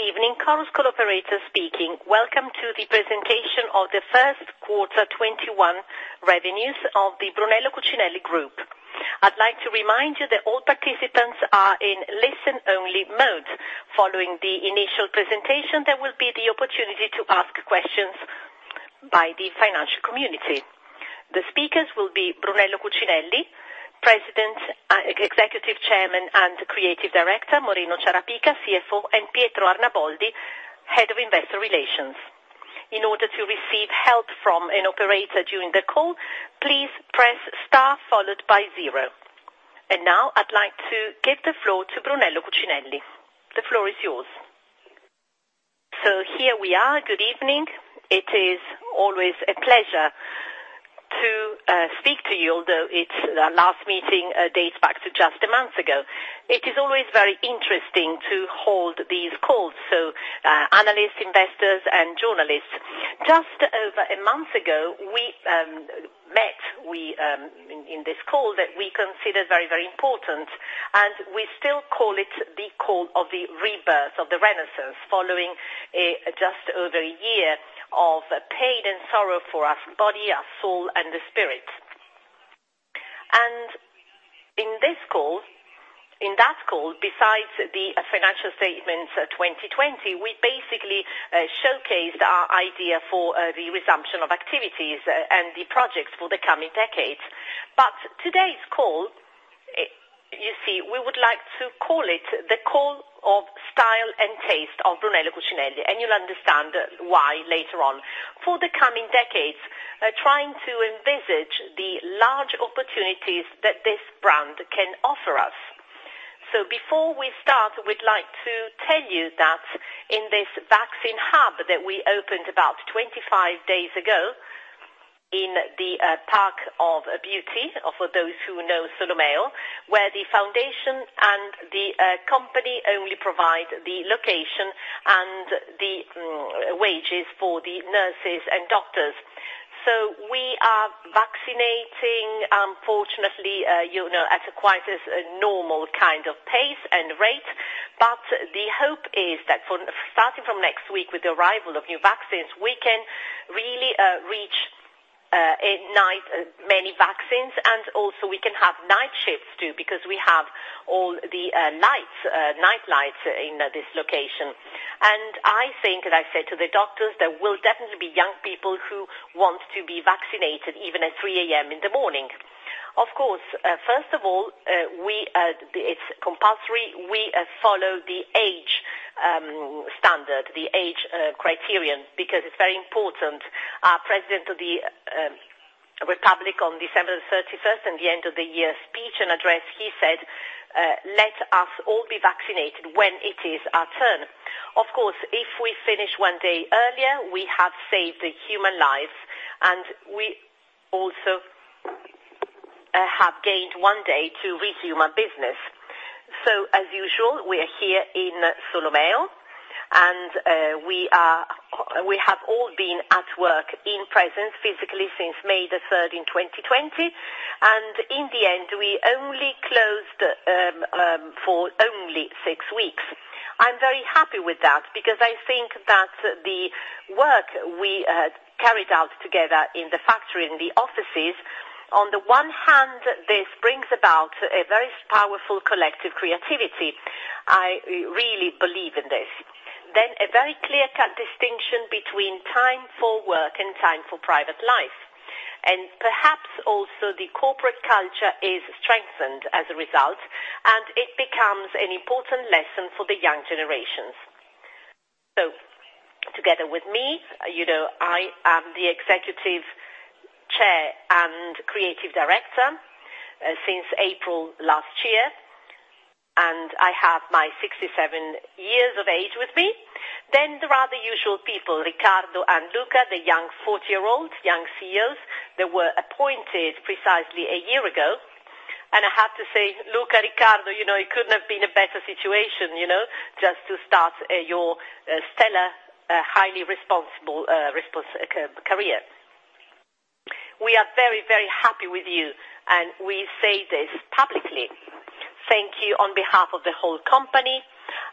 Good evening, Chorus Call operator speaking. Welcome to the presentation of the First Quarter 2021 Revenues of the Brunello Cucinelli Group. I'd like to remind you that all participants are in listen-only mode. Following the initial presentation, there will be the opportunity to ask questions by the financial community. The speakers will be Brunello Cucinelli, President, Executive Chairman, and Creative Director, Moreno Ciarapica, CFO, and Pietro Arnaboldi, Head of Investor Relations. In order to receive help from an operator during the call, please press star followed by zero. Now I'd like to give the floor to Brunello Cucinelli. The floor is yours. Here we are. Good evening. It is always a pleasure to speak to you, although our last meeting dates back to just a month ago. It is always very interesting to hold these calls, so analysts, investors, and journalists. Just over a month ago, we met in this call that we consider very, very important, and we still call it the call of the rebirth, of the renaissance, following just over a year of pain and sorrow for our body, our soul, and the spirit. In that call, besides the financial statements 2020, we basically showcased our idea for the resumption of activities and the projects for the coming decades. Today's call, we would like to call it the call of style and taste of Brunello Cucinelli, and you'll understand why later on. For the coming decades, trying to envisage the large opportunities that this brand can offer us. Before we start, we'd like to tell you that in this vaccine hub that we opened about 25 days ago in the Park of Beauty, for those who know Solomeo, where the foundation and the company only provide the location and the wages for the nurses and doctors. We are vaccinating, unfortunately, at quite a normal kind of pace and rate. The hope is that starting from next week with the arrival of new vaccines, we can really reach at night many vaccines and also we can have night shifts too, because we have all the night lights in this location. I think, and I said to the doctors, there will definitely be young people who want to be vaccinated even at 3:00 A.M. in the morning. Of course, first of all, it's compulsory. We follow the age standard, the age criterion, because it's very important. Our President of the Republic on December 31st, in the end-of-the-year speech and address, he said, "Let us all be vaccinated when it is our turn." Of course, if we finish one day earlier, we have saved a human life, and we also have gained one day to resume our business. As usual, we are here in Solomeo, and we have all been at work in presence physically since May 3rd in 2020. In the end, we only closed for only six weeks. I'm very happy with that because I think that the work we carried out together in the factory and the offices, on the one hand, this brings about a very powerful collective creativity. I really believe in this. A very clear-cut distinction between time for work and time for private life. Perhaps also the corporate culture is strengthened as a result, and it becomes an important lesson for the young generations. Together with me, I am the Executive Chair and Creative Director since April last year, and I have my 67 years of age with me. The rather usual people, Riccardo and Luca, the young 40-year-olds, young CEOs, that were appointed precisely a year ago. I have to say, Luca, Riccardo, it couldn't have been a better situation, just to start your stellar, highly responsible career. We are very, very happy with you, and we say this publicly. Thank you on behalf of the whole company,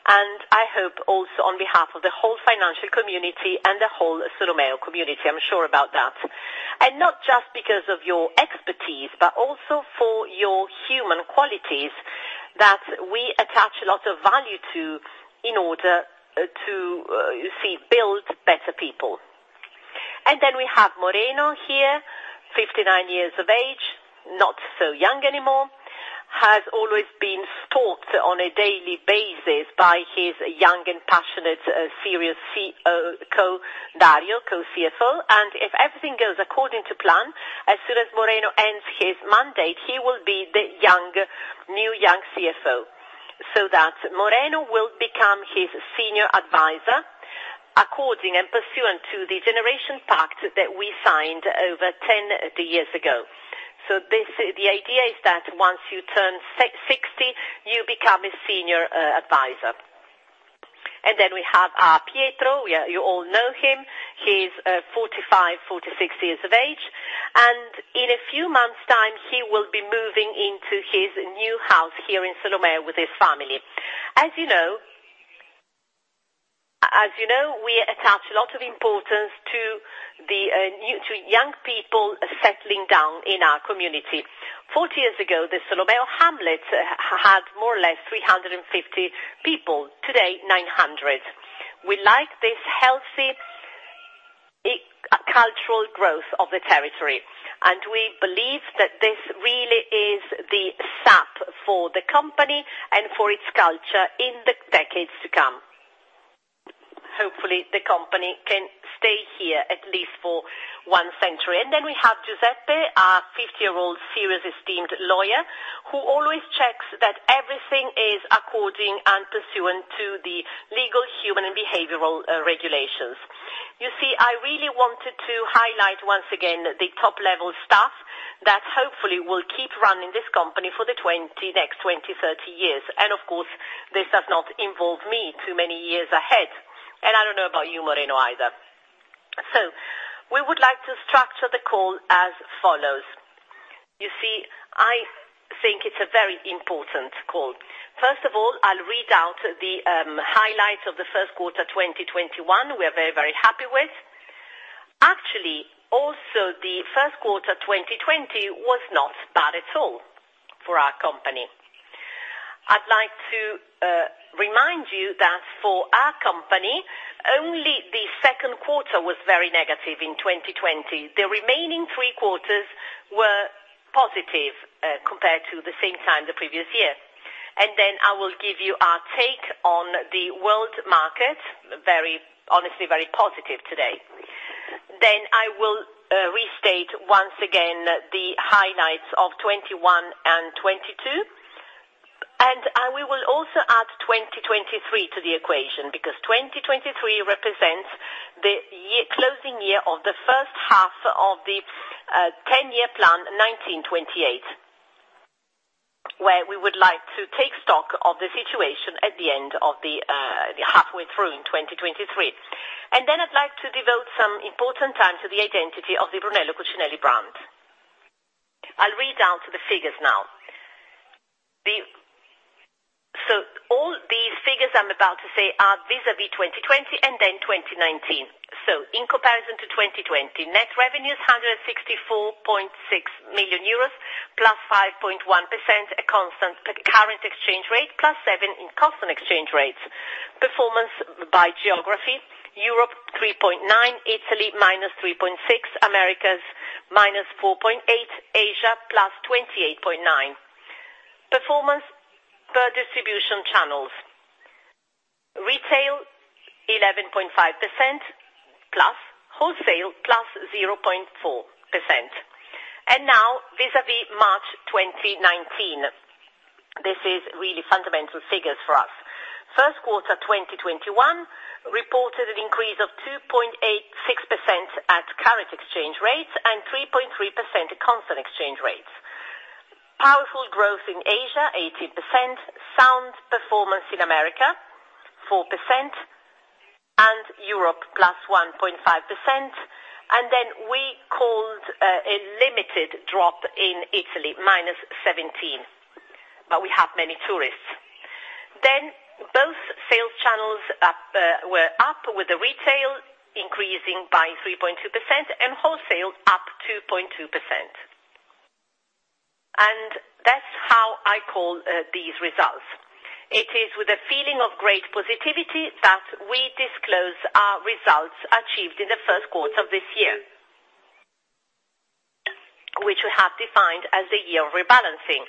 and I hope also on behalf of the whole financial community and the whole Solomeo community, I'm sure about that. Not just because of your expertise, but also for your human qualities that we attach a lot of value to in order to build better people. We have Moreno here, 59 years of age, not so young anymore. Has always been stalked on a daily basis by his young and passionate, serious Dario, co-CFO. If everything goes according to plan, as soon as Moreno ends his mandate, he will be the new young CFO. So that Moreno will become his senior advisor, according and pursuant to the generation pact that we signed over 10 years ago. The idea is that once you turn 60, you become a senior advisor. We have Pietro. You all know him. He's 45, 46 years of age. In a few months' time, he will be moving into his new house here in Solomeo with his family. As you know, we attach a lot of importance to young people settling down in our community. 40 years ago, the Solomeo hamlet had more or less 350 people. Today, 900. We like this healthy cultural growth of the territory. We believe that this really is the sap for the company and for its culture in the decades to come. Hopefully, the company can stay here at least for one century. Then we have Giuseppe, our 50-year-old serious, esteemed lawyer, who always checks that everything is according and pursuant to the legal, human, and behavioral regulations. You see, I really wanted to highlight once again the top-level staff that hopefully will keep running this company for the next 20, 30 years. Of course, this does not involve me too many years ahead. I don't know about you, Moreno, either. We would like to structure the call as follows. You see, I think it's a very important call. First of all, I'll read out the highlights of the first quarter 2021 we are very, very happy with. Actually, also the first quarter 2020 was not bad at all for our company. I'd like to remind you that for our company, only the second quarter was very negative in 2020. The remaining three quarters were positive compared to the same time the previous year. I will give you our take on the world market, honestly very positive today. I will restate once again the highlights of 2021 and 2022. We will also add 2023 to the equation because 2023 represents the closing year of the first half of the 10-year plan, 2019-2028, where we would like to take stock of the situation at the end of the halfway through in 2023. I'd like to devote some important time to the identity of the Brunello Cucinelli brand. I'll read out the figures now. All these figures I'm about to say are vis-à-vis 2020 and then 2019. In comparison to 2020, net revenues, 164.6 million euros, +5.1%, at current exchange rate, +7% in constant exchange rates. Performance by geography, Europe 3.9%, Italy -3.6%, Americas -4.8%, Asia +28.9%. Performance per distribution channels, retail 11.5%+, wholesale +0.4%. Now vis-à-vis March 2019. This is really fundamental figures for us. First quarter 2021 reported an increase of 2.86% at current exchange rates and 3.3% at constant exchange rates. Powerful growth in Asia, 18%, sound performance in America, 4%, and Europe +1.5%. We called a limited drop in Italy, -17%, but we have many tourists. Both sales channels were up, with the retail increasing by 3.2% and wholesale up 2.2%. That's how I call these results. It is with a feeling of great positivity that we disclose our results achieved in the first quarter of this year, which we have defined as the year of rebalancing.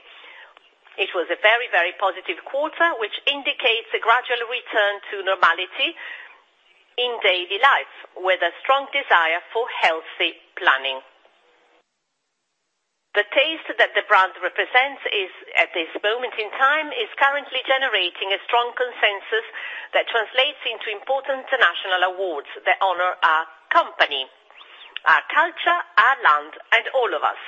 It was a very, very positive quarter, which indicates a gradual return to normality in daily life with a strong desire for healthy planning. The taste that the brand represents at this moment in time is currently generating a strong consensus that translates into important national awards that honor our company, our culture, our land, and all of us.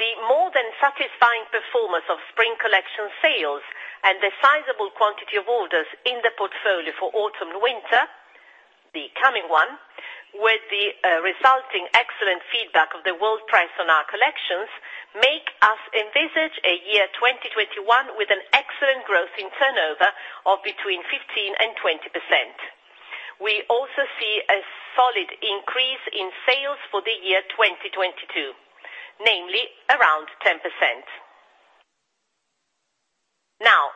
The more than satisfying performance of spring collection sales and the sizable quantity of orders in the portfolio for autumn winter, the coming one, with the resulting excellent feedback of the world press on our collections, make us envisage a year 2021 with an excellent growth in turnover of between 15%-20%. We also see a solid increase in sales for the year 2022, namely around 10%.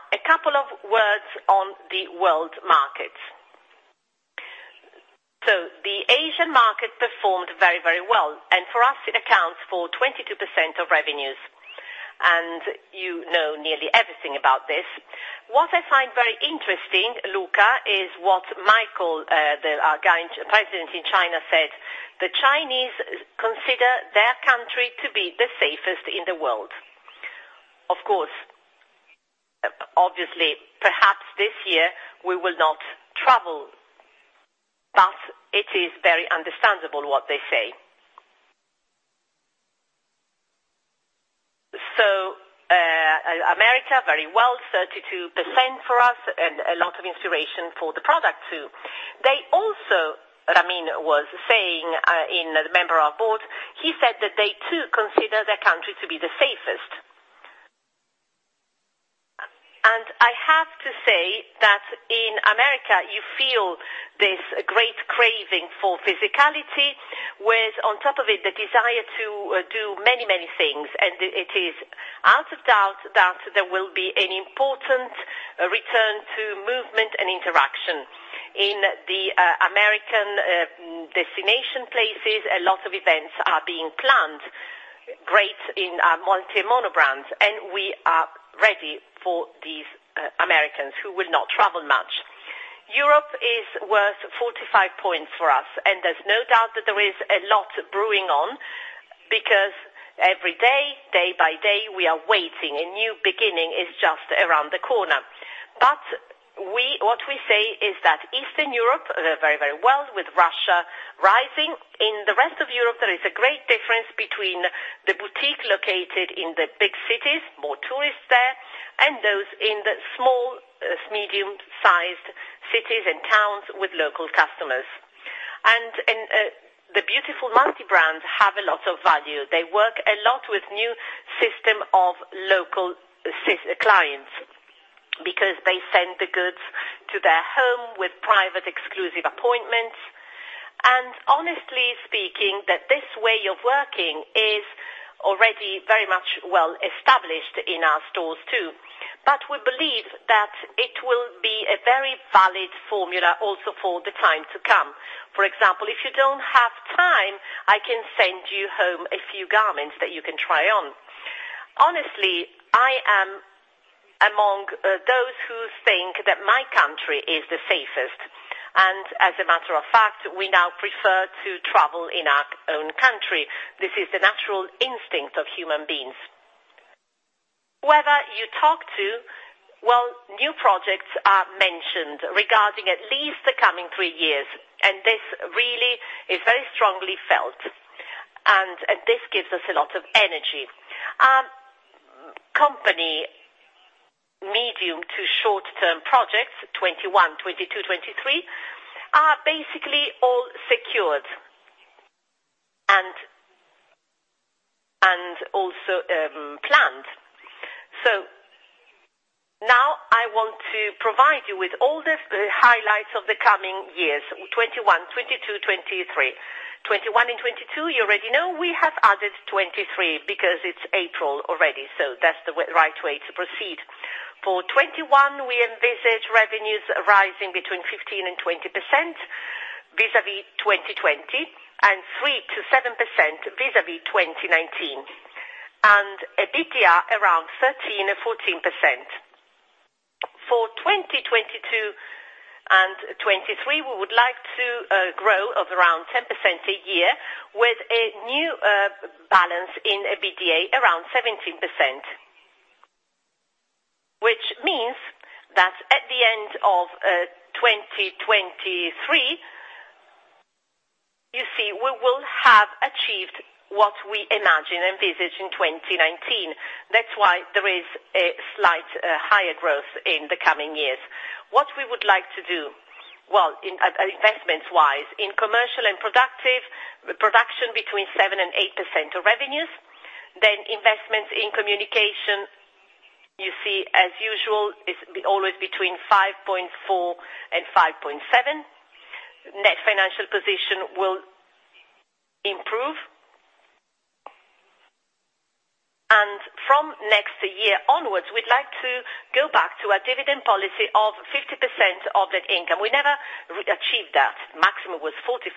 A couple of words on the world market. The Asian market performed very, very well, and for us, it accounts for 22% of revenues. You know nearly everything about this. What I find very interesting, Luca, is what Michael, our President in China, said. The Chinese consider their country to be the safest in the world. Of course, obviously, perhaps this year we will not travel, thus it is very understandable what they say. America, very well, 32% for us and a lot of inspiration for the product too. Ramin was saying, a member of our board, he said that they too consider their country to be the safest. I have to say that in America you feel this great craving for physicality, with, on top of it, the desire to do many, many things. It is out of doubt that there will be an important return to movement and interaction. In the American destination places, a lot of events are being planned, great in multi-monobrand. We are ready for these Americans who will not travel much. Europe is worth 45 points for us, and there's no doubt that there is a lot brewing on, because every day by day, we are waiting. A new beginning is just around the corner. What we say is that Eastern Europe, very, very well with Russia rising. In the rest of Europe, there is a great difference between the boutique located in the big cities, more tourists there, and those in the small, medium-sized cities and towns with local customers. The beautiful multi-brands have a lot of value. They work a lot with new system of local clients, because they send the goods to their home with private exclusive appointments. Honestly speaking, that this way of working is already very much well established in our stores too. We believe that it will be a very valid formula also for the time to come. For example, if you don't have time, I can send you home a few garments that you can try on. Honestly, I am among those who think that my country is the safest, and as a matter of fact, we now prefer to travel in our own country. This is the natural instinct of human beings. Whoever you talk to, well, new projects are mentioned regarding at least the coming three years, and this really is very strongly felt, and this gives us a lot of energy. Company medium to short-term projects 2021, 2022, 2023, are basically all secured and also planned. Now I want to provide you with all the highlights of the coming years 2021, 2022, 2023. 2021 and 2022, you already know. We have added 2023 because it's April already, so that's the right way to proceed. For 2021, we envisage revenues rising between 15% and 20% vis-à-vis 2020, and 3%-7% vis-à-vis 2019, and EBITDA around 13%-14%. For 2022 and 2023, we would like to grow of around 10% a year with a new balance in EBITDA around 17%, which means that at the end of 2023, you see, we will have achieved what we imagined envisaged in 2019. That's why there is a slight higher growth in the coming years. What we would like to do, well, investments wise, in commercial and production between 7% and 8% of revenues. Investments in communication, you see as usual, is always between 5.4% and 5.7%. Net financial position will improve. From next year onwards, we'd like to go back to our dividend policy of 50% of net income. We never achieved that. Maximum was 45%.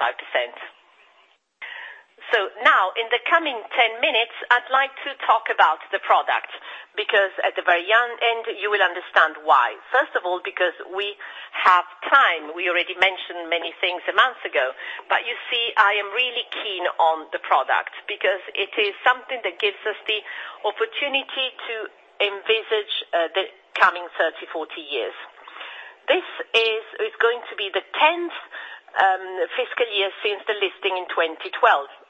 Now, in the coming 10 minutes, I'd like to talk about the product, because at the very end, you will understand why. First of all, because we have time. We already mentioned many things a month ago, but you see, I am really keen on the product because it is something that gives us the opportunity to envisage the coming 30, 40 years. This is going to be the 10th fiscal year since the listing in 2012,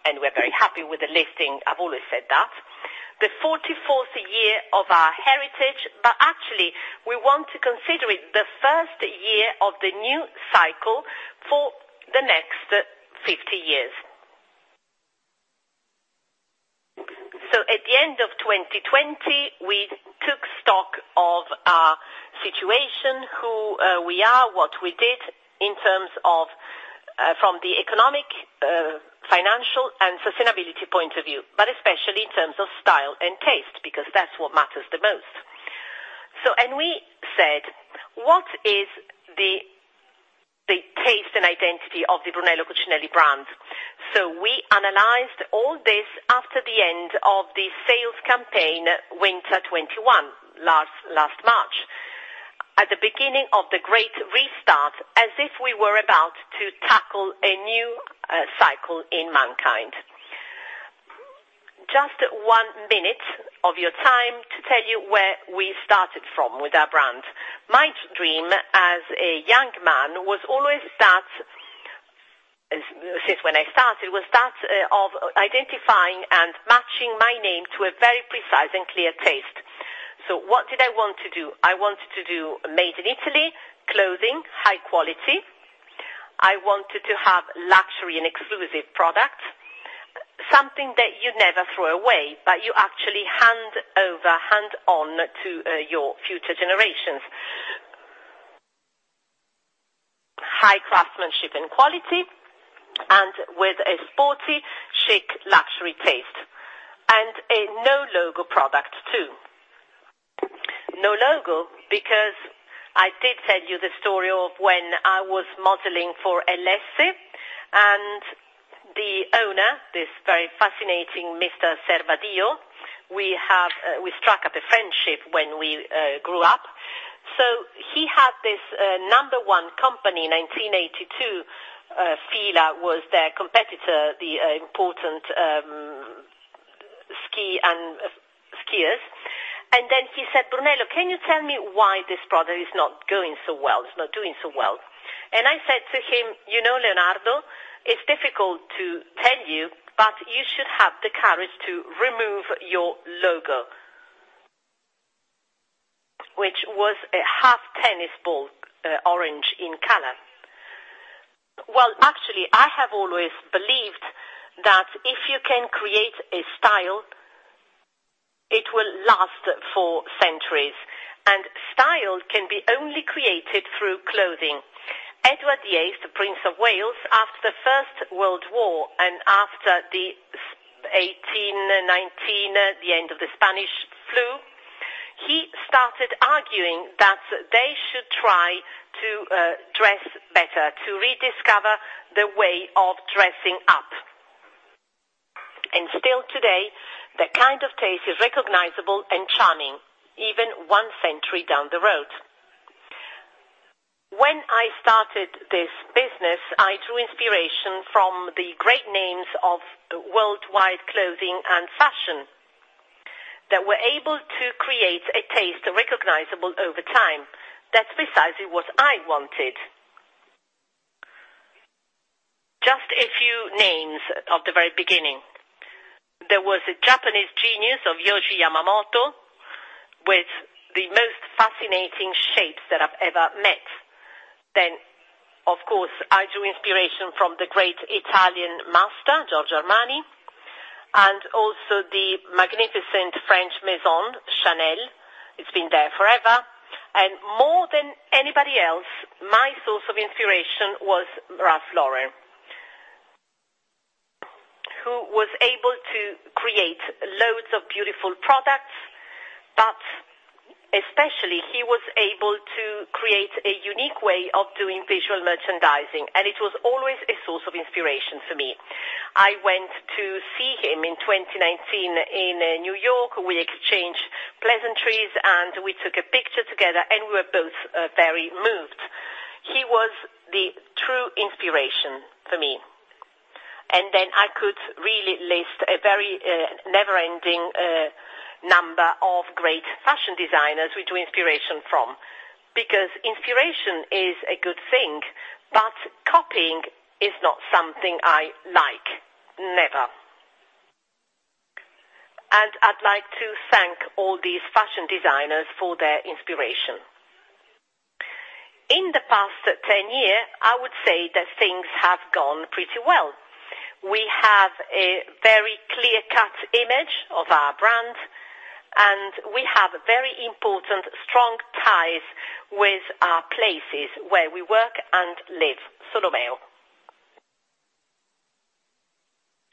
and we're very happy with the listing, I've always said that. The 44th year of our heritage, but actually we want to consider it the first year of the new cycle for the next 50 years. At the end of 2020, we took stock of our situation, who we are, what we did in terms of from the economic, financial and sustainability point of view, but especially in terms of style and taste, because that's what matters the most. We said, what is the taste and identity of the Brunello Cucinelli brand? We analyzed all this after the end of the sales campaign Winter 2021, last March. At the beginning of the great restart, as if we were about to tackle a new cycle in mankind. Just one minute of your time to tell you where we started from with our brand. My dream as a young man was always that, since when I started, was that of identifying and matching my name to a very precise and clear taste. What did I want to do? I wanted to do made in Italy clothing, high quality. I wanted to have luxury and exclusive products. Something that you never throw away, but you actually hand over, hand on to your future generations. High craftsmanship and quality and with a sporty, chic, luxury taste, and a no logo product too. No logo, because I did tell you the story of when I was modeling for Ellesse and the owner, this very fascinating Mr. Servadio, we struck up a friendship when we grew up. he had this number one company in 1982, Fila was their competitor, the important skiers. he said, "Brunello, can you tell me why this product is not going so well, it's not doing so well?" I said to him, "You know, Leonardo, it's difficult to tell you, but you should have the courage to remove your logo," which was a half tennis ball, orange in color. Well, actually, I have always believed that if you can create a style, it will last for centuries, and style can be only created through clothing. Edward VIII, the Prince of Wales, after the First World War and after the 1918, 1919, the end of the Spanish flu, he started arguing that they should try to dress better, to rediscover the way of dressing up. still today, that kind of taste is recognizable and charming, even one century down the road. When I started this business, I drew inspiration from the great names of worldwide clothing and fashion that were able to create a taste recognizable over time. That's precisely what I wanted. Just a few names of the very beginning. There was a Japanese genius of Yohji Yamamoto with the most fascinating shapes that I've ever met. Of course, I drew inspiration from the great Italian master, Giorgio Armani, and also the magnificent French Maison, Chanel. It's been there forever. More than anybody else, my source of inspiration was Ralph Lauren, who was able to create loads of beautiful products, but especially he was able to create a unique way of doing visual merchandising, and it was always a source of inspiration for me. I went to see him in 2019 in New York. We exchanged pleasantries, and we took a picture together, and we were both very moved. He was the true inspiration for me. I could really list a very never-ending number of great fashion designers we drew inspiration from, because inspiration is a good thing, but copying is not something I like. Never. I'd like to thank all these fashion designers for their inspiration. In the past 10 year, I would say that things have gone pretty well. We have a very clear-cut image of our brand, and we have very important, strong ties with our places where we work and live, Solomeo.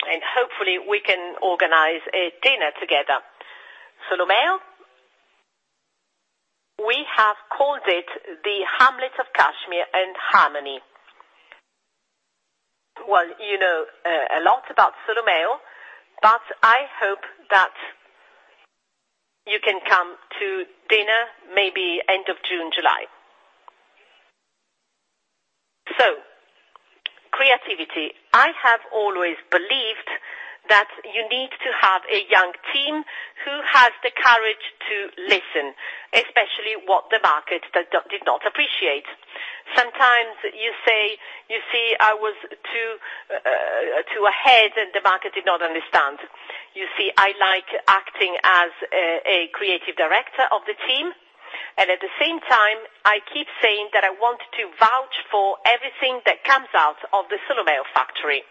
Hopefully, we can organize a dinner together. Solomeo, we have called it the Hamlet of Cashmere and Harmony. Well, you know a lot about Solomeo, but I hope that you can come to dinner, maybe end of June, July. Creativity. I have always believed that you need to have a young team who has the courage to listen, especially what the market did not appreciate. Sometimes you say, you see I was too ahead and the market did not understand. You see, I like acting as a creative director of the team, and at the same time, I keep saying that I want to vouch for everything that comes out of the Solomeo factory,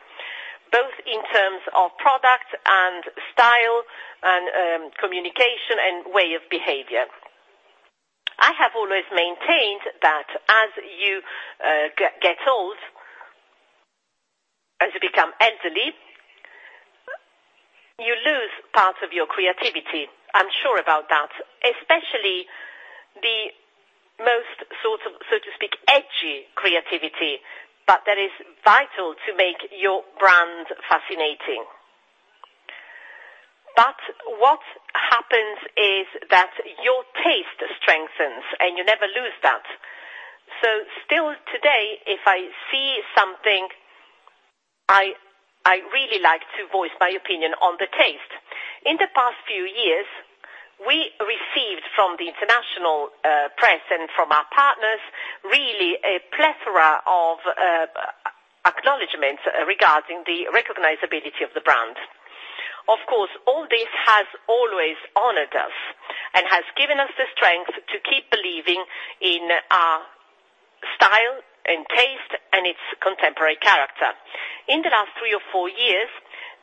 both in terms of product and style and communication and way of behavior. I have always maintained that as you get old, as you become elderly, you lose part of your creativity. I'm sure about that, especially the most, so to speak, edgy creativity, but that is vital to make your brand fascinating. What happens is that your taste strengthens, and you never lose that. Still today, if I see something, I really like to voice my opinion on the taste. In the past few years we received from the international press and from our partners, really a plethora of acknowledgments regarding the recognizability of the brand. Of course, all this has always honored us and has given us the strength to keep believing in our style and taste and its contemporary character. In the last three or four years,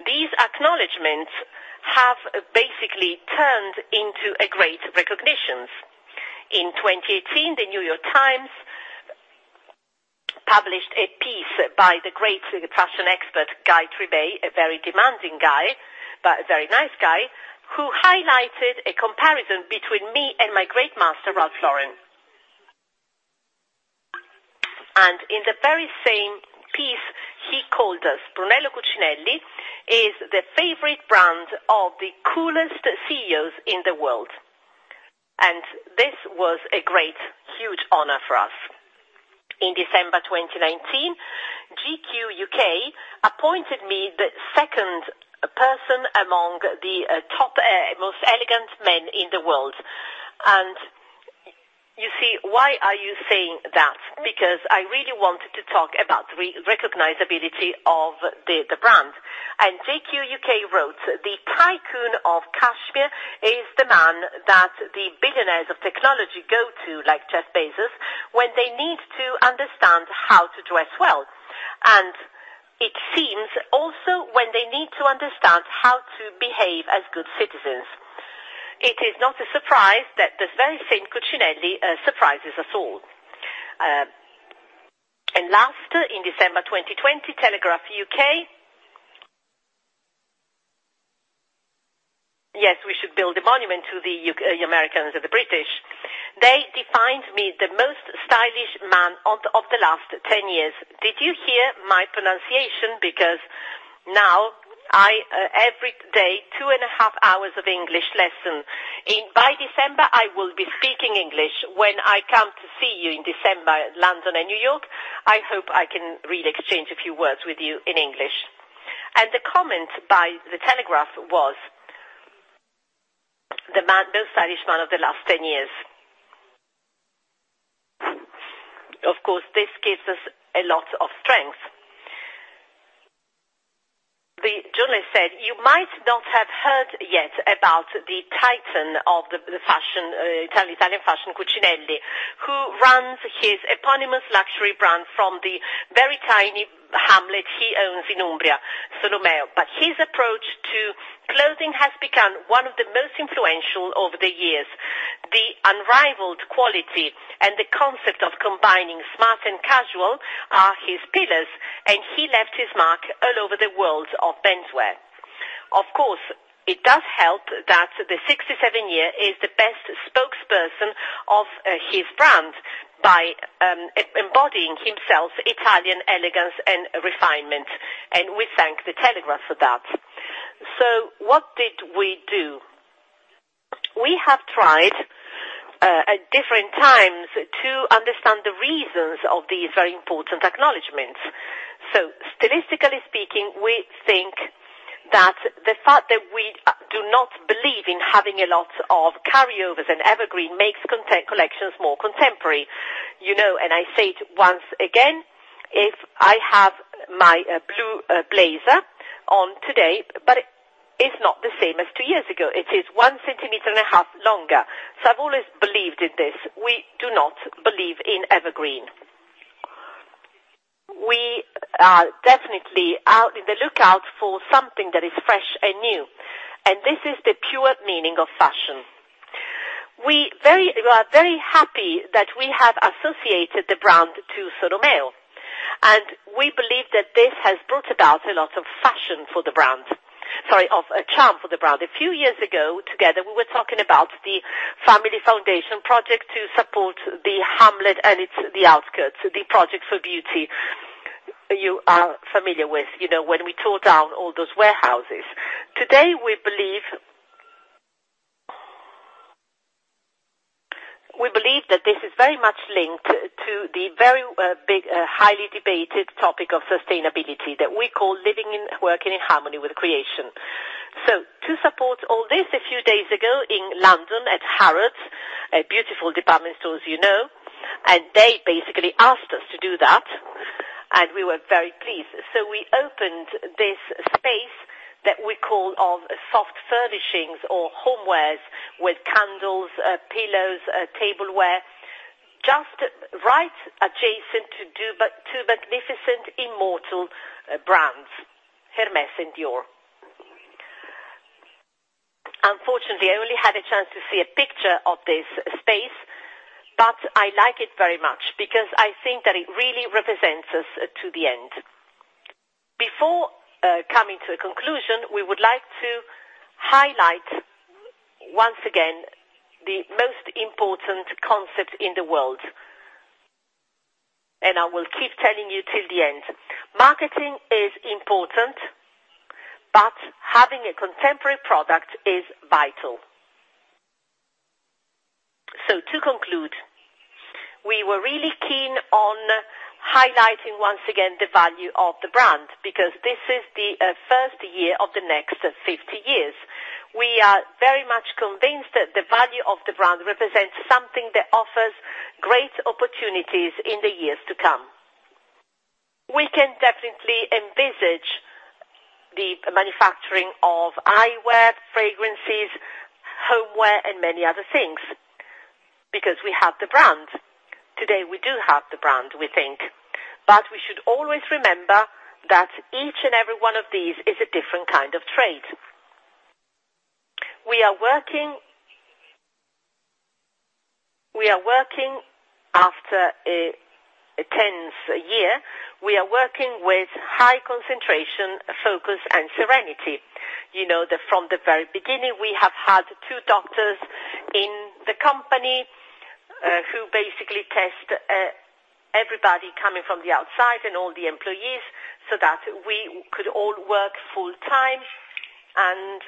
these acknowledgments have basically turned into great recognitions. In 2018, the New York Times published a piece by the great fashion expert, Guy Trebay, a very demanding guy, but a very nice guy, who highlighted a comparison between me and my great master, Ralph Lauren. In the very same piece, he called us, Brunello Cucinelli, is the favorite brand of the coolest CEOs in the world. This was a great, huge honor for us. In December 2019, GQ U.K. appointed me the second person among the top most elegant men in the world. You see, why are you saying that? Because I really wanted to talk about the recognizability of the brand. GQ U.K. wrote, "The tycoon of cashmere is the man that the billionaires of technology go to, like Jeff Bezos, when they need to understand how to dress well. It seems also when they need to understand how to behave as good citizens. It is not a surprise that the very same Cucinelli surprises us all." Last, in December 2020, Telegraph U.K. Yes, we should build a monument to the Americans and the British. They defined me the most stylish man of the last 10 years. Did you hear my pronunciation? Because now, every day, two and a half hours of English lesson. By December, I will be speaking English. When I come to see you in December, London and New York, I hope I can really exchange a few words with you in English. The comment by the Telegraph was, the most stylish man of the last 10 years. Of course, this gives us a lot of strength. The journalist said, "You might not have heard yet about the titan of the Italian fashion house, Cucinelli, who runs his eponymous luxury brand from the very tiny hamlet he owns in Umbria, Solomeo. His approach to clothing has become one of the most influential over the years. The unrivaled quality and the concept of combining smart and casual are his pillars, and he left his mark all over the world of menswear. Of course, it does help that the 67-year-old is the best spokesperson of his brand by embodying himself Italian elegance and refinement." We thank the Telegraph for that. What did we do? We have tried at different times to understand the reasons of these very important acknowledgments. Statistically speaking, we think that the fact that we do not believe in having a lot of carryovers and evergreen makes collections more contemporary. I say it once again, if I have my blue blazer on today, but it's not the same as two years ago. It is one centimeter and a half longer. I've always believed in this. We do not believe in evergreen. We are definitely on the lookout for something that is fresh and new, and this is the pure meaning of fashion. We are very happy that we have associated the brand to Solomeo, and we believe that this has brought about a lot of charm for the brand. A few years ago, together, we were talking about the family foundation project to support the hamlet and the outskirts, the project for beauty. You are familiar with, when we tore down all those warehouses. Today, we believe that this is very much linked to the very big, highly debated topic of sustainability that we call living and working in harmony with creation. To support all this, a few days ago in London at Harrods, a beautiful department store, as you know, and they basically asked us to do that, and we were very pleased. We opened this space that we call soft furnishings or homewares with candles, pillows, tableware, just right adjacent to magnificent immortal brands, Hermès and Dior. Unfortunately, I only had a chance to see a picture of this space, but I like it very much because I think that it really represents us to the end. Before coming to a conclusion, we would like to highlight once again the most important concept in the world, and I will keep telling you till the end. Marketing is important, but having a contemporary product is vital. To conclude, we were really keen on highlighting once again the value of the brand, because this is the first year of the next 50 years. We are very much convinced that the value of the brand represents something that offers great opportunities in the years to come. We can definitely envisage the manufacturing of eyewear, fragrances, homeware and many other things, because we have the brand. Today, we do have the brand, we think. We should always remember that each and every one of these is a different kind of trade. We are working after a tense year, we are working with high concentration, focus and serenity. From the very beginning, we have had two doctors in the company, who basically test everybody coming from the outside and all the employees so that we could all work full time and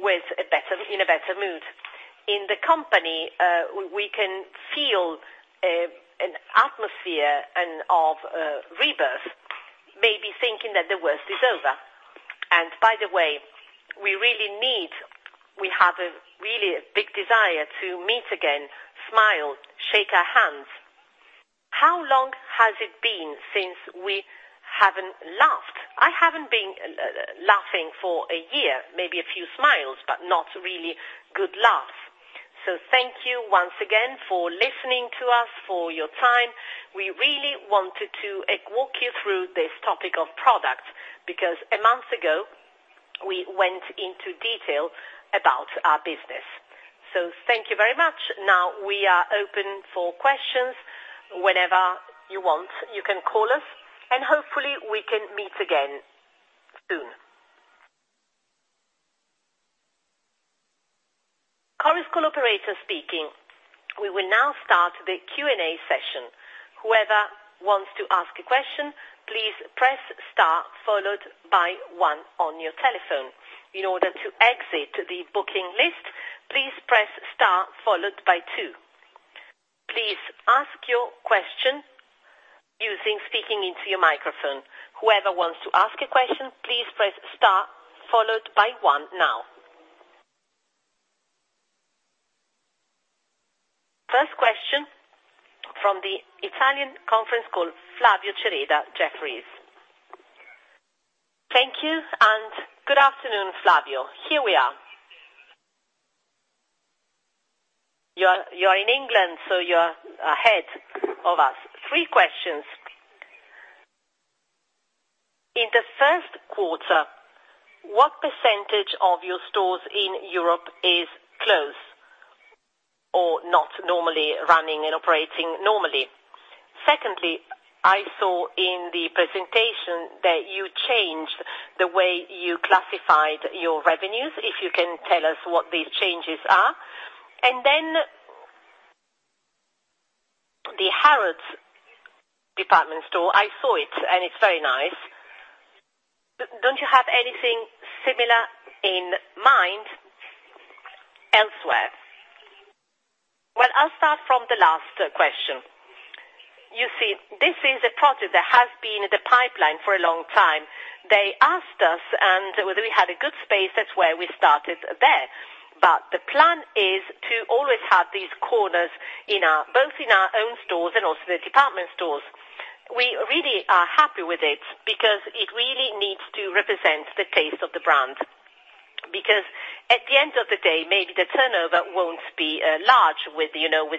in a better mood. In the company, we can feel an atmosphere of rebirth, maybe thinking that the worst is over. By the way, we have a really big desire to meet again, smile, shake our hands. How long has it been since we haven't laughed? I haven't been laughing for a year, maybe a few smiles, but not really good laughs. Thank you once again for listening to us, for your time. We really wanted to walk you through this topic of products, because a month ago, we went into detail about our business. Thank you very much. Now we are open for questions. Whenever you want, you can call us, and hopefully we can meet again soon. Chorus Call operator speaking. We will now start the Q&A session. Whoever wants to ask a question, please press star followed by one on your telephone. In order to exit to the booking list, please press star followed by two. Please ask your question using speaking into your microphone. Whoever wants to ask a question, please press star followed by one. First question from the Italian conference call, Flavio Cereda, Jefferies. Thank you, and good afternoon, Flavio. Here we are. You're in England, so you're ahead of us. Three questions. In the first quarter, what percentage of your stores in Europe is closed or not normally running and operating normally? Secondly, I saw in the presentation that you changed the way you classified your revenues, if you can tell us what these changes are. The Harrods department store, I saw it, and it's very nice. Don't you have anything similar in mind elsewhere? Well, I'll start from the last question. You see, this is a project that has been in the pipeline for a long time. They asked us and whether we had a good space, that's where we started there. The plan is to always have these corners both in our own stores and also the department stores. We really are happy with it because it really needs to represent the taste of the brand. At the end of the day, maybe the turnover won't be large with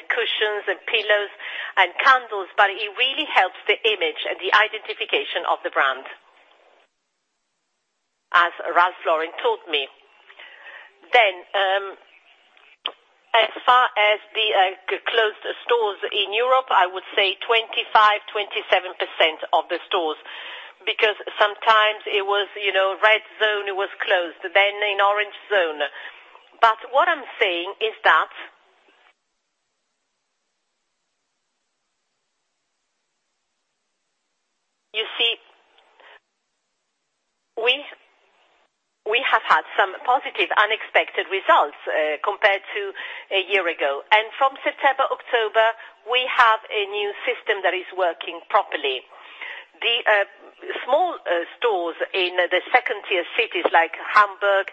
cushions and pillows and candles, but it really helps the image and the identification of the brand, as Ralph Lauren told me. As far as the closed stores in Europe, I would say 25%-27% of the stores, because sometimes it was red zone, it was closed, then in orange zone. What I'm saying is that, you see, we have had some positive, unexpected results, compared to a year ago. From September, October, we have a new system that is working properly. The small stores in the second-tier cities like Hamburg,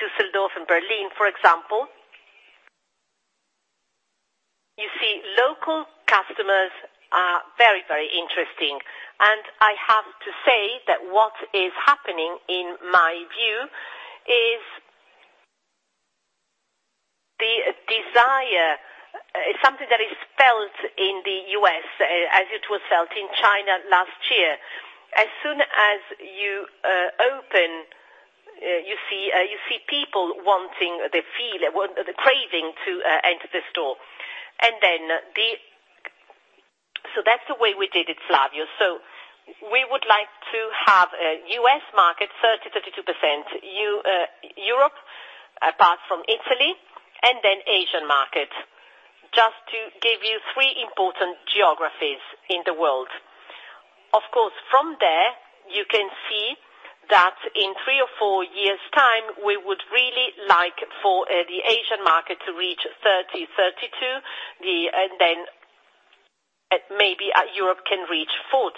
Düsseldorf and Berlin, for example. You see, local customers are very interesting, and I have to say that what is happening, in my view, is the desire, something that is felt in the U.S., as it was felt in China last year. As soon as you open, you see people wanting the feel, the craving to enter the store. That's the way we did it, Flavio. We would like to have a U.S. market, 30%-32%, Europe, apart from Italy, and then Asian market. Just to give you three important geographies in the world. Of course, from there, you can see that in three or four years time, we would really like for the Asian market to reach 30%, 32%, and then maybe Europe can reach 40%.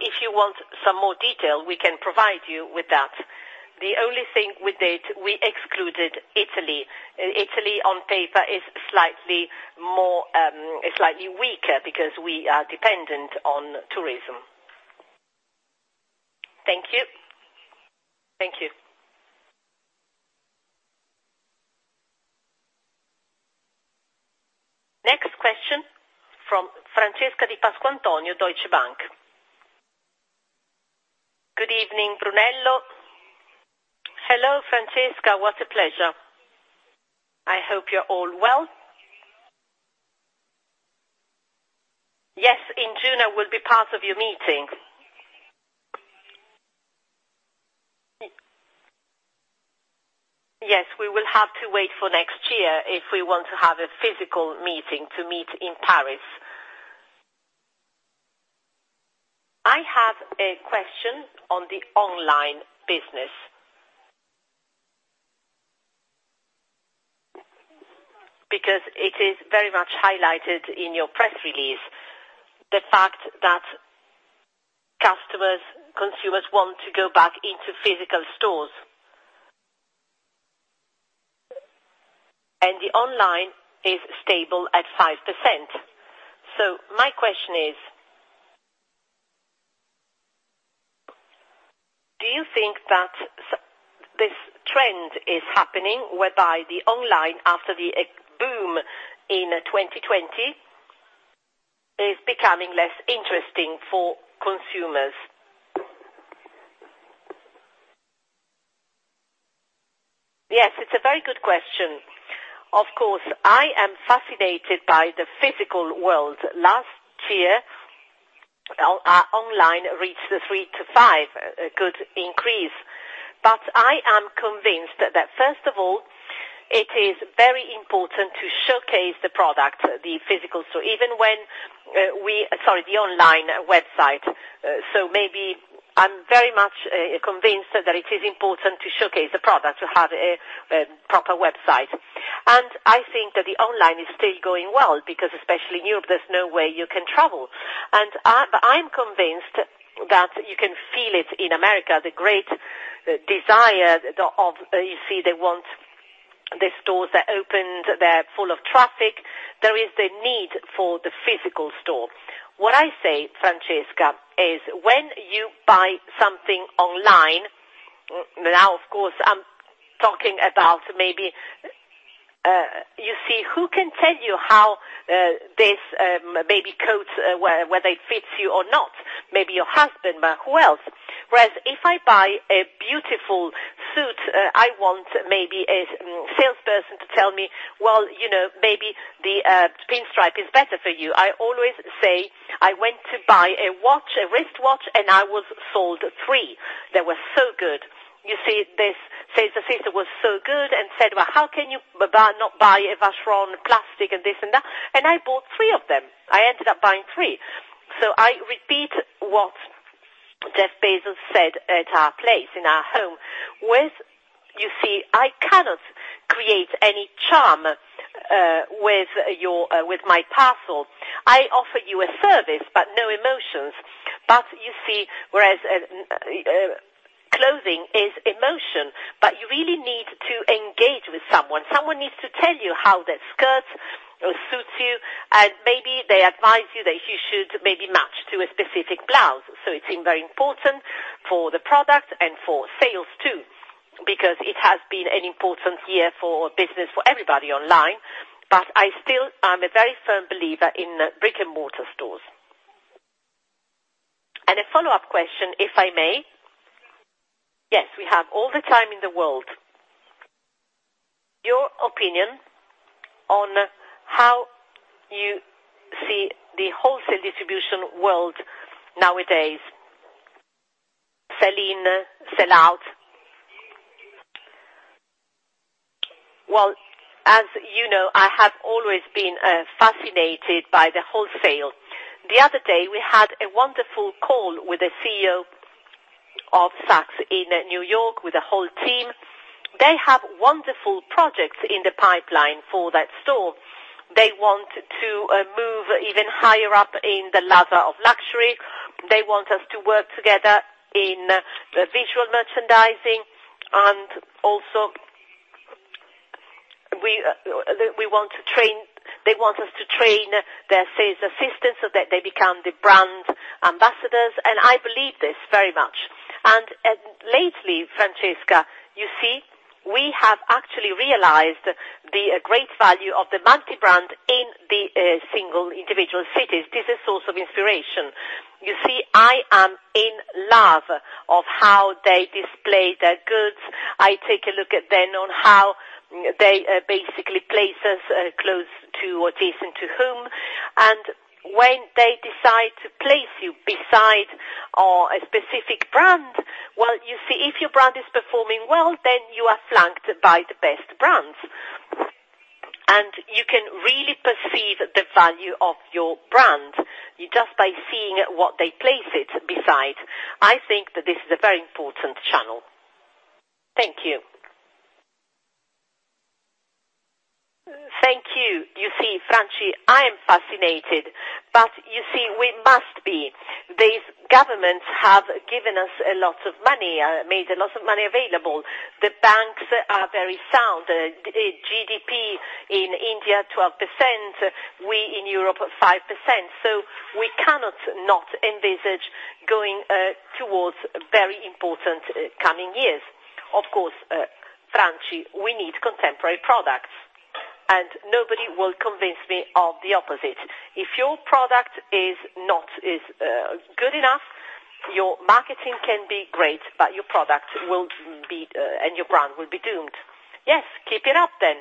If you want some more detail, we can provide you with that. The only thing with it, we excluded Italy. Italy on paper is slightly weaker because we are dependent on tourism. Thank you. Thank you. Next question from Francesca Di Pasquantonio, Deutsche Bank. Good evening, Brunello. Hello, Francesca. What a pleasure. I hope you're all well. Yes, in June I will be part of your meeting. Yes, we will have to wait for next year if we want to have a physical meeting to meet in Paris. I have a question on the online business. Because it is very much highlighted in your press release, the fact that consumers want to go back into physical stores. The online is stable at 5%. My question is, do you think that this trend is happening, whereby the online, after the boom in 2020, is becoming less interesting for consumers? Yes, it's a very good question. Of course, I am fascinated by the physical world. Last year, our online reached the 3%-5%, a good increase. I am convinced that first of all, it is very important to showcase the product, the online website. Maybe I'm very much convinced that it is important to showcase the product, to have a proper website. I think that the online is still going well, because especially in Europe, there's no way you can travel. I'm convinced that you can feel it in America, the great desire of you see they want the stores, they're opened, they're full of traffic. There is the need for the physical store. What I say, Francesca, is when you buy something online, now, of course, I'm talking about maybe you see, who can tell you how these baby coats, whether it fits you or not? Maybe your husband, but who else? Whereas if I buy a beautiful suit, I want maybe a salesperson to tell me, "Well, maybe the pinstripe is better for you." I always say, I went to buy a watch, a wristwatch, and I was sold three. They were so good. You see, the sales assistant was so good and said, "Well, how can you not buy a Vacheron, plus this and that?" I bought three of them. I ended up buying three. I repeat what Jeff Bezos said at our place, in our home. You see, I cannot create any charm with my parcel. I offer you a service, but no emotions. You see, whereas clothing is emotion, but you really need to engage with someone. Someone needs to tell you how that skirt suits you, and maybe they advise you that you should maybe match to a specific blouse. It's very important for the product and for sales too, because it has been an important year for business for everybody online. I still am a very firm believer in brick-and-mortar stores. A follow-up question, if I may. Yes, we have all the time in the world. Your opinion on how you see the wholesale distribution world nowadays. Sell in, sell out. Well, as you know, I have always been fascinated by the wholesale. The other day, we had a wonderful call with the CEO of Saks in New York with the whole team. They have wonderful projects in the pipeline for that store. They want to move even higher up in the ladder of luxury. They want us to work together in the visual merchandising and also they want us to train their sales assistants so that they become the brand ambassadors, and I believe this very much. Lately, Francesca, you see, we have actually realized the great value of the multi-brand in the single individual cities. This is source of inspiration. You see, I am in love of how they display their goods. I take a look at then on how they basically place us close to or adjacent to whom. When they decide to place you beside a specific brand. Well, you see, if your brand is performing well, then you are flanked by the best brands. You can really perceive the value of your brand just by seeing what they place it beside. I think that this is a very important channel. Thank you. Thank you. You see, France, I am fascinated. We must be. These governments have given us a lot of money, made a lot of money available. The banks are very sound. GDP in India, 12%, we in Europe, 5%. We cannot not envisage going towards very important coming years. Of course, France, we need contemporary products, and nobody will convince me of the opposite. If your product is not good enough, your marketing can be great, but your product and your brand will be doomed. Yes. Keep it up then.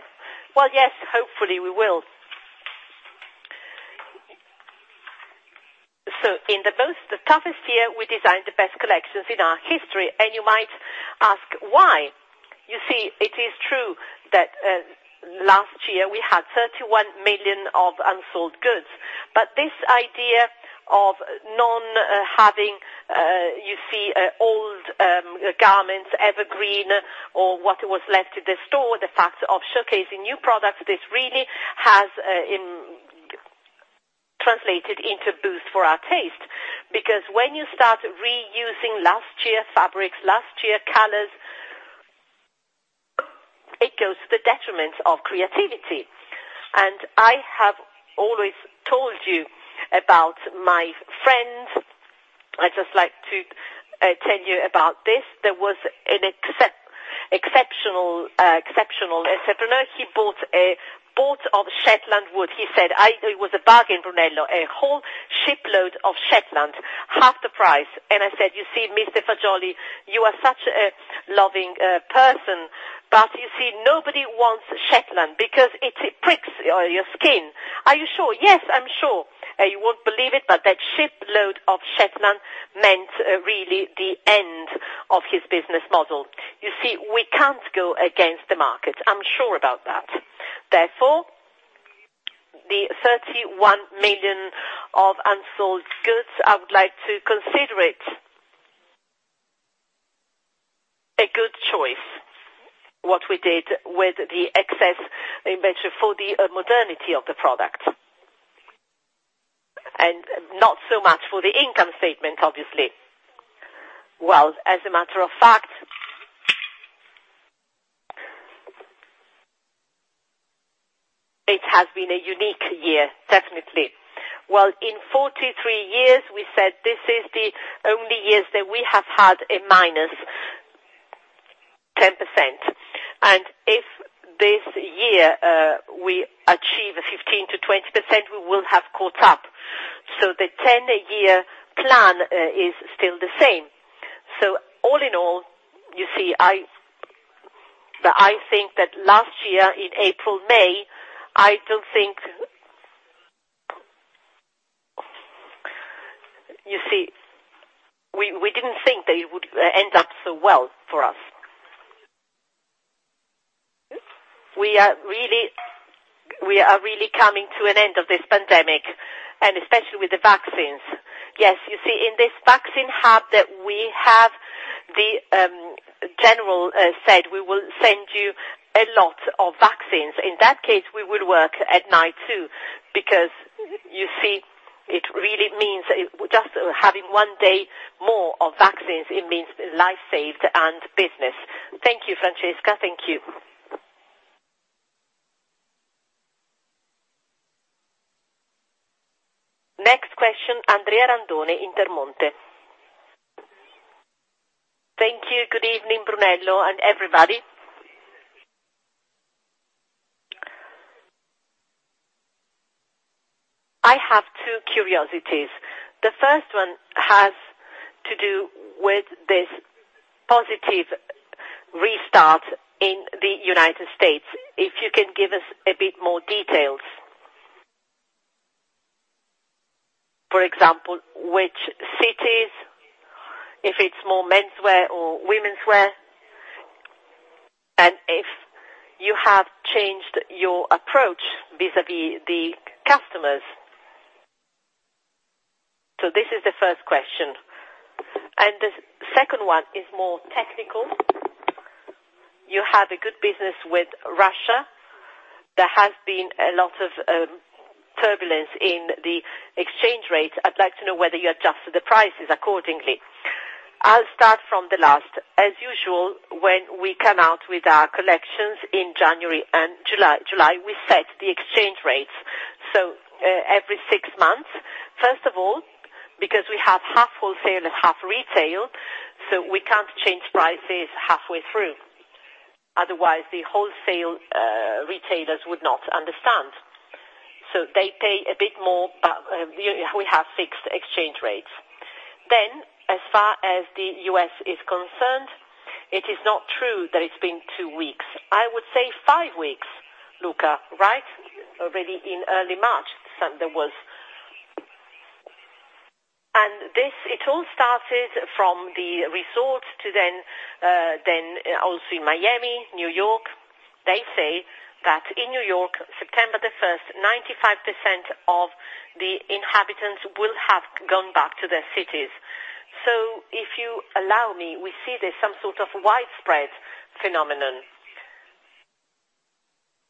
Well, yes, hopefully we will. In the toughest year, we designed the best collections in our history, and you might ask why. You see, it is true that last year we had 31 million of unsold goods, but this idea of not having old garments, evergreen or what was left at the store, the fact of showcasing new products, this really has translated into boost for our taste. When you start reusing last year fabrics, last year colors, it goes to the detriment of creativity. I have always told you about my friends. I'd just like to tell you about this. There was an exceptional entrepreneur. He bought a boat of Shetland wool. He said, "It was a bargain, Brunello. A whole shipload of Shetland, half the price." I said, "You see, Mr. Fajoli, you are such a loving person, but you see, nobody wants Shetland because it pricks your skin. Are you sure?" "Yes, I'm sure." You won't believe it, but that shipload of Shetland meant really the end of his business model. You see, we can't go against the market. I'm sure about that. Therefore, the 31 million of unsold goods, I would like to consider it a good choice, what we did with the excess inventory for the modernity of the product. Not so much for the income statement, obviously. Well, as a matter of fact, it has been a unique year, definitely. Well, in 43 years, we said this is the only year that we have had a -10%. If this year, we achieve 15%-20%, we will have caught up. the 10-year plan is still the same. All in all, I think that last year in April, May, we didn't think that it would end up so well for us. We are really coming to an end of this pandemic, and especially with the vaccines. Yes. You see, in this vaccine hub that we have, the general said, "We will send you a lot of vaccines." In that case, we will work at night too, because, you see, just having one day more of vaccines, it means life saved and business. Thank you, Francesca. Thank you. Next question, Andrea Randone, Intermonte. Thank you. Good evening, Brunello and everybody. I have two curiosities. The first one has to do with this positive restart in the United States. If you can give us a bit more details. For example, which cities, if it's more menswear or womenswear, and if you have changed your approach vis-a-vis the customers. This is the first question. The second one is more technical. You have a good business with Russia. There has been a lot of turbulence in the exchange rate. I'd like to know whether you adjusted the prices accordingly. I'll start from the last. As usual, when we come out with our collections in January and July, we set the exchange rates. Every six months. First of all, because we have half wholesale and half retail, so we can't change prices halfway through. Otherwise, the wholesale retailers would not understand. They pay a bit more, but we have fixed exchange rates. As far as the U.S. is concerned, it is not true that it's been two weeks. I would say five weeks, Luca, right? Already in early March, there was. It all started from the resort to then also in Miami, New York. They say that in New York, September the 1st, 95% of the inhabitants will have gone back to their cities. If you allow me, we see there's some sort of widespread phenomenon.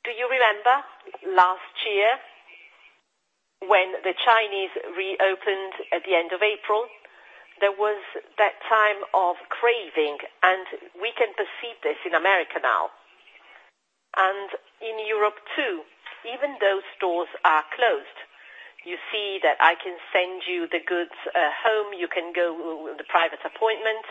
Do you remember last year when the Chinese reopened at the end of April? There was that time of craving, and we can perceive this in America now, and in Europe too, even though stores are closed. You see that I can send you the goods home. You can go with the private appointment.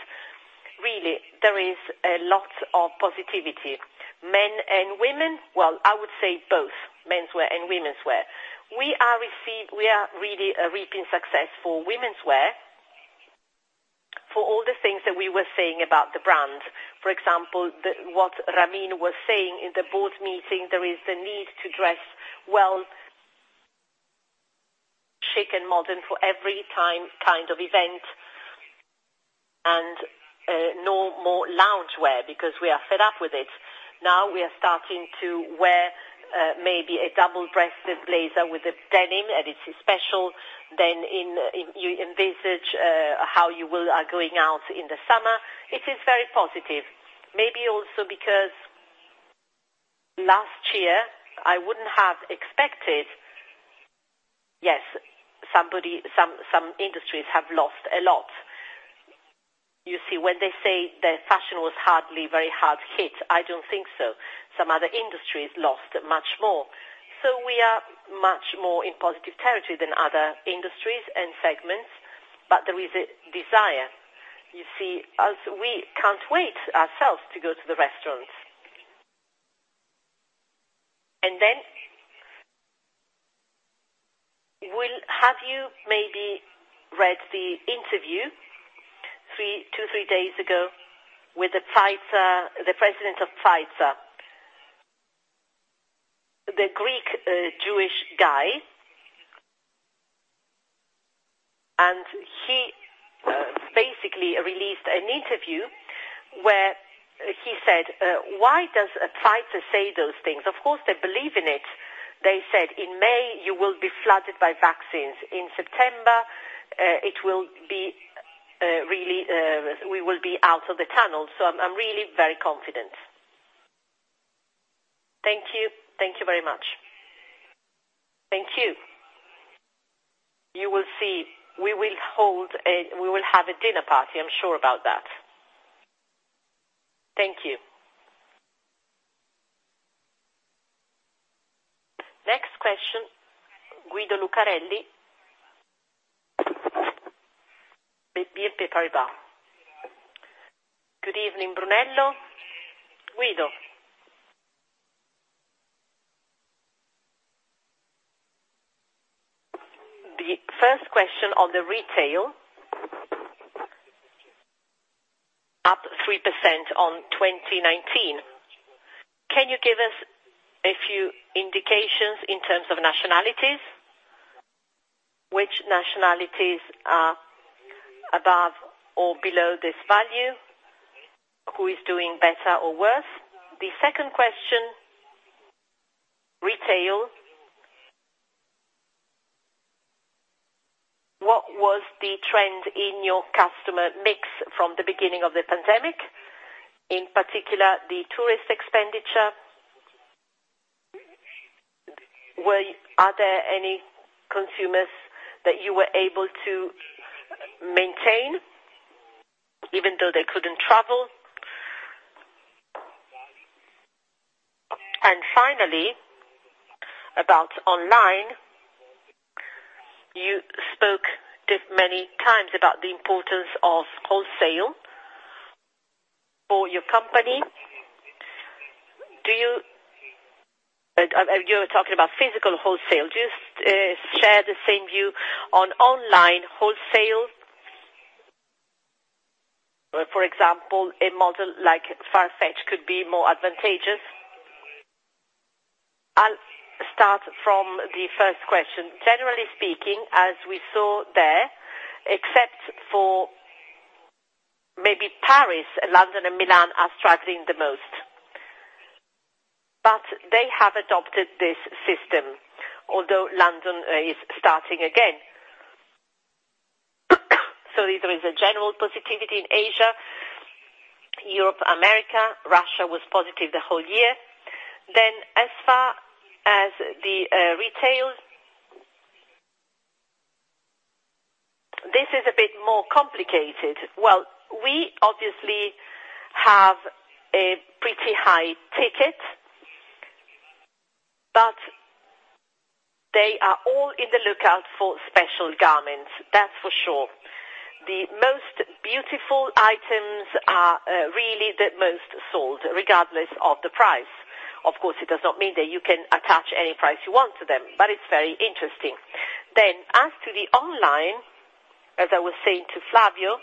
Really, there is a lot of positivity. Men and women, well, I would say both menswear and womenswear. We are really reaping success for womenswear for all the things that we were saying about the brand. For example, what Ramin was saying in the board meeting, there is the need to dress well, chic, and modern for every kind of event and no more loungewear because we are fed up with it. Now we are starting to wear maybe a double-breasted blazer with denim, and it's special. You envisage how you are going out in the summer. It is very positive. Maybe also because last year, I wouldn't have expected Yes, some industries have lost a lot. You see, when they say that fashion was hardly very hard hit, I don't think so. Some other industries lost much more. We are much more in positive territory than other industries and segments, but there is a desire. You see, as we can't wait ourselves to go to the restaurants. Have you maybe read the interview two, three days ago with the president of Pfizer, the Greek Jewish guy? He basically released an interview where he said "Why does Pfizer say those things?" Of course, they believe in it. They said, "In May, you will be flooded by vaccines. In September, we will be out of the tunnel." I'm really very confident. Thank you. Thank you very much. Thank you. You will see. We will have a dinner party. I'm sure about that. Thank you. Next question, Guido Lucarelli, BNP Paribas. Good evening, Brunello. Guido. The first question on the retail, up 3% on 2019. Can you give us a few indications in terms of nationalities? Which nationalities are above or below this value? Who is doing better or worse? The second question, retail. What was the trend in your customer mix from the beginning of the pandemic, in particular, the tourist expenditure? Are there any consumers that you were able to maintain even though they couldn't travel? Finally, about online, you spoke many times about the importance of wholesale for your company. You're talking about physical wholesale. Do you share the same view on online wholesale? For example, a model like Farfetch could be more advantageous. I'll start from the first question. Generally speaking, as we saw there, except for maybe Paris, London and Milan are struggling the most. They have adopted this system, although London is starting again. There is a general positivity in Asia, Europe, America. Russia was positive the whole year. As far as the retail, this is a bit more complicated. Well, we obviously have a pretty high ticket, but they are all in the lookout for special garments, that's for sure. The most beautiful items are really the most sold, regardless of the price. Of course, it does not mean that you can attach any price you want to them, but it's very interesting. As to the online, as I was saying to Flavio,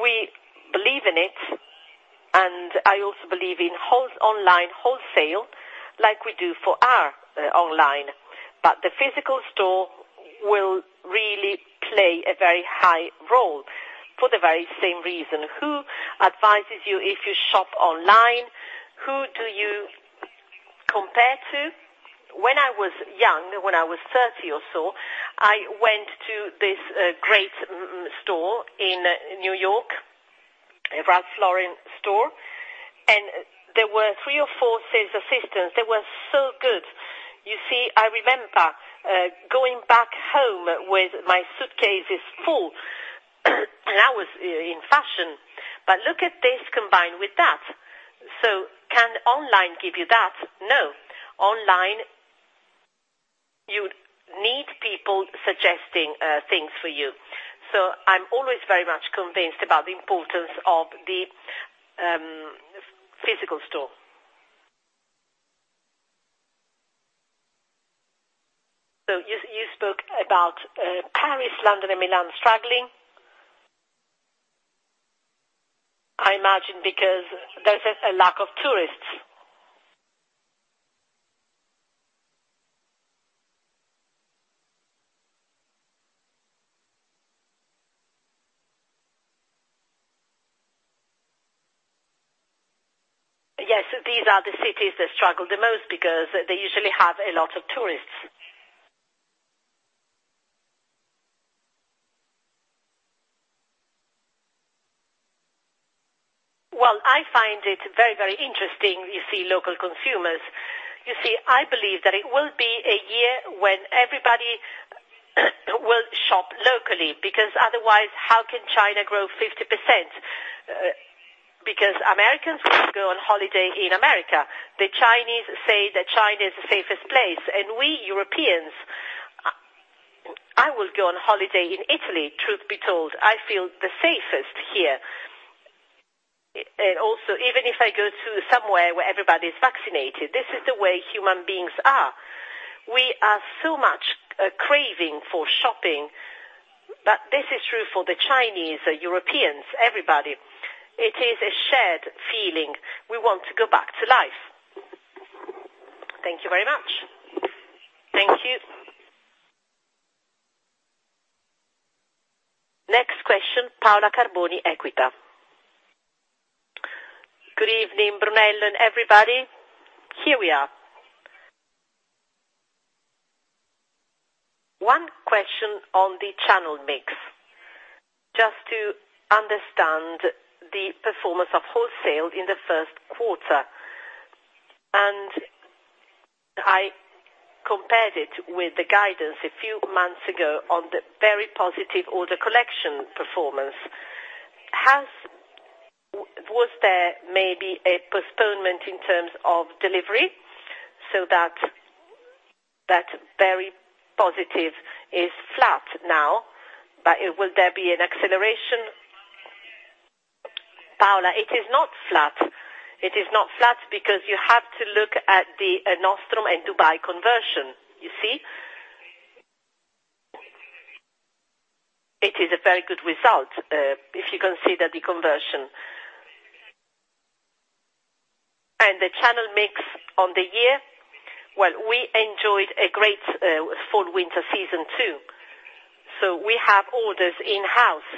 we believe in it. I also believe in online wholesale, like we do for our online. The physical store will really play a very high role for the very same reason. Who advises you if you shop online? Who do you compare to? When I was young, when I was 30 or so, I went to this great store in New York, a Ralph Lauren store, and there were three or four sales assistants. They were so good. You see, I remember going back home with my suitcases full, and I was in fashion. Look at this combined with that. Can online give you that? No. Online, you need people suggesting things for you. I'm always very much convinced about the importance of the physical store. You spoke about Paris, London, and Milan struggling. I imagine because there's a lack of tourists. Yes, these are the cities that struggle the most because they usually have a lot of tourists. Well, I find it very interesting, you see local consumers. You see, I believe that it will be a year when everybody will shop locally, because otherwise, how can China grow 50%? Because Americans go on holiday in America. The Chinese say that China is the safest place, and we Europeans, I will go on holiday in Italy, truth be told. I feel the safest here. Also, even if I go to somewhere where everybody's vaccinated, this is the way human beings are. We are so much craving for shopping, but this is true for the Chinese, Europeans, everybody. It is a shared feeling. We want to go back to life. Thank you very much. Thank you. Next question, Paola Carboni, Equita. Good evening, Brunello and everybody. Here we are. One question on the channel mix, just to understand the performance of wholesale in the first quarter. I compared it with the guidance a few months ago on the very positive order collection performance. Was there maybe a postponement in terms of delivery so that very positive is flat now, but will there be an acceleration? Paola, it is not flat. It is not flat because you have to look at the Nordstrom and Dubai conversion. You see? It is a very good result, if you consider the conversion. The channel mix on the year, well, we enjoyed a great fall-winter season too. We have orders in-house.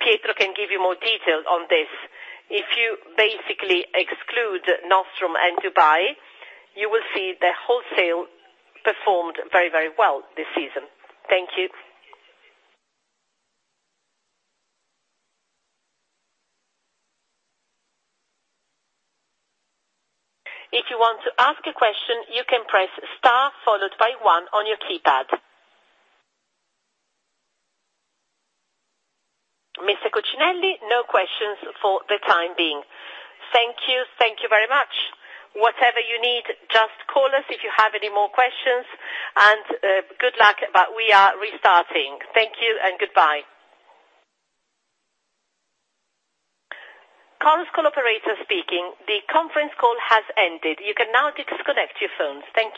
Pietro can give you more detail on this. If you basically exclude Nordstrom and Dubai, you will see the wholesale performed very well this season. Thank you. If you want to ask a question, you can press star, followed by one. Mr. Cucinelli, no questions for the time being. Thank you. Thank you very much. Whatever you need, just call us if you have any more questions, and good luck. We are restarting. Thank you and goodbye. Chorus Call operator speaking. The conference call has ended. You can now disconnect your phone. Thank-